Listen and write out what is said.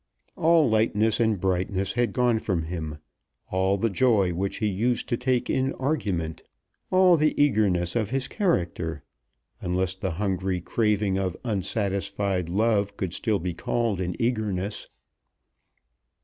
All lightness and brightness had gone from him, all the joy which he used to take in argument, all the eagerness of his character, unless the hungry craving of unsatisfied love could still be called an eagerness.